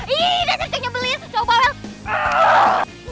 ih dasar kayak nyebelin coba wel